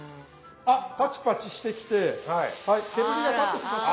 あパチパチしてきてはい煙が立ってきました。